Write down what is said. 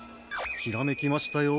ひらめきましたよ。